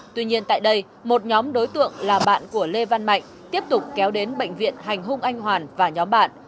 tuy nhiên tại đây một nhóm đối tượng là bạn của lê văn mạnh tiếp tục kéo đến bệnh viện hành hung anh hoàn và nhóm bạn